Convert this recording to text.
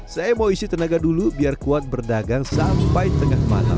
saya mau isi tenaga dulu biar kuat berdagang sampai tengah malam